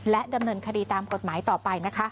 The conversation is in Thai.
ดำเนินคดีตามกฎหมายต่อไปนะคะ